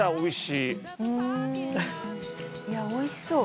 いやおいしそう。